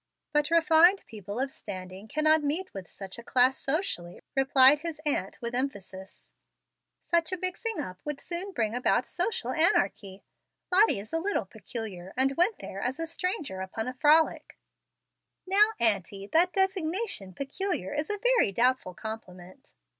"But refined people of standing cannot meet with such a class socially," replied his aunt, with emphasis. "Such a mixing up would soon bring about social anarchy. Lottie is a little peculiar, and went there as a stranger upon a frolic." "Now, auntie, that designation 'peculiar' is a very doubtful compliment."